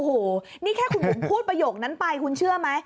โอ้โหนี่แค่คุณบุ๋มพูดประโยคนั้นไปคุณเชื่อไหม